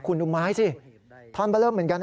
คุณดูไม้สิทอนบะเริ่มเหมือนกันนะฮะ